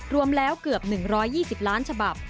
รวมแล้วเกือบ๑๒๐ล้านฉบับ